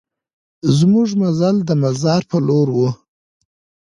زمونږ مزل د مزار په لور و.